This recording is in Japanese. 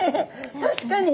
確かに。